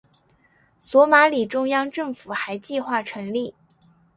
索马里中央政府还计划成立。